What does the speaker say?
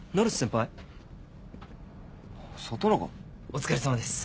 お疲れさまです。